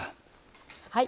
はい。